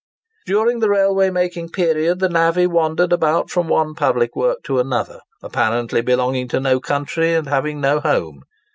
During the railway making period the navvy wandered about from one public work to another—apparently belonging to no country and having no home.